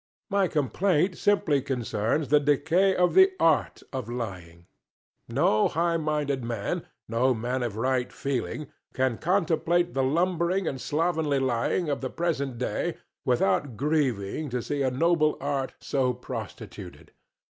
My complaint simply concerns the decay of the art of lying. No high minded man, no man of right feeling, can contemplate the lumbering and slovenly lying of the present day without grieving to see a noble art so prostituted.